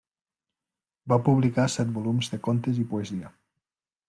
Va publicar set volums de contes i poesia.